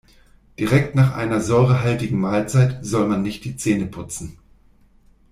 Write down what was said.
Direkt nach einer säurehaltigen Mahlzeit soll man nicht die Zähne putzen.